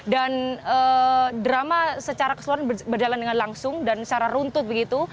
drama secara keseluruhan berjalan dengan langsung dan secara runtut begitu